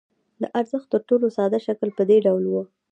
د ارزښت تر ټولو ساده شکل په دې ډول وو